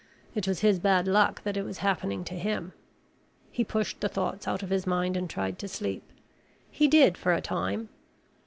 It was his bad luck that it was happening to him. He pushed the thoughts out of his mind and tried to sleep. He did for a time.